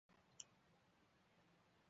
泡芙一颗不好吃